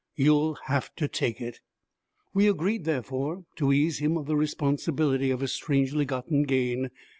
You'll have to take it.' We agreed, therefore, to ease him of the responsibility of his strangely gotten gain.